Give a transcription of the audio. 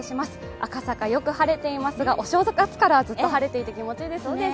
赤坂、よく晴れていますがお正月からずっと晴れていて気持ちいいですね。